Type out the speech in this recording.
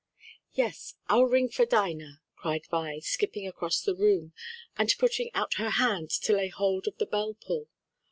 "Yes; I'll ring for Dinah," cried Vi, skipping across the room and putting out her hand to lay hold of the bell pull.